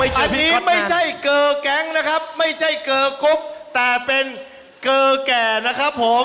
อันนี้ไม่ใช่เกอร์แก๊งนะครับไม่ใช่เกอร์กุ๊กแต่เป็นเกอร์แก่นะครับผม